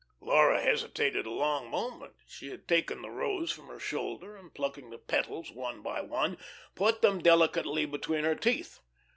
Laura hesitated a long moment. She had taken the rose from her shoulder, and plucking the petals one by one, put them delicately between her teeth.